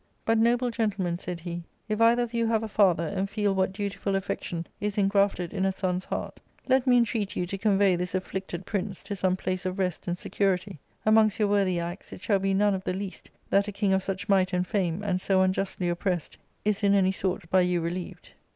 But, noble gentlemen,* said he, * if either of you have a father, and feel what dutiful affection is ingrafted in a son's heart, let me intreat you to convey this afflicted prince to some place of rest and security ; amongst your worthy acts it shall be none of the least that a king of such might and fame, and so unjustly oppressed, is in any sort by you relieved.'